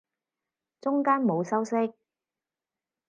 中間冇修飾